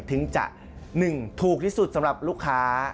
ถึงจะ๑ถูกที่สุดสำหรับลูกค้า